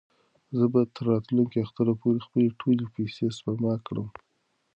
زه به تر راتلونکي اختر پورې خپلې ټولې پېسې سپما کړم.